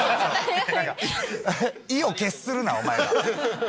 意を決するなお前が。